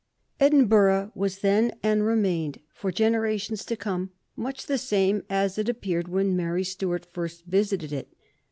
Edinburgh was then, and remained for generations to come, much the same as it appeared when Mary Stuart first visited it.